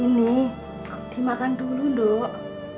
ini dimakan dulu dok